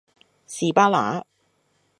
士巴拿